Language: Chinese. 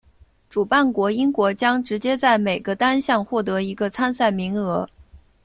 主办国英国将直接在每个单项获得一个参赛名额。